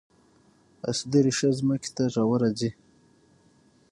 اصلي ریښه ځمکې ته ژوره ځي